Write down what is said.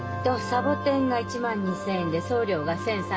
サボテンが１万２，０００円で送料が１，０３０円。